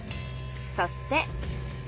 そして。